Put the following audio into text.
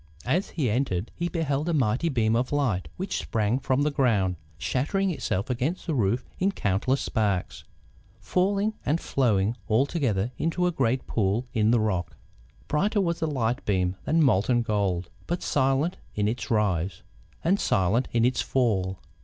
As he entered he beheld a mighty beam of light which sprang from the ground, shattering itself against the roof in countless sparks, falling and flowing all together into a great pool in the rock. Brighter was the light beam than molten gold, but silent in its rise, and silent in its fall.